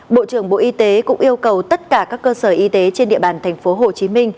bộ trưởng bộ y tế cũng yêu cầu tất cả các cơ sở y tế trên địa bàn tp hcm